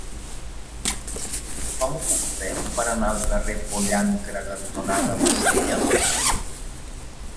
Com ho puc fer per anar al carrer Pollancre cantonada Bassella?